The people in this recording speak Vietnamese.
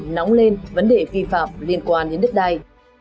nóng lên vấn đề vi phạm liên quan đến đất đai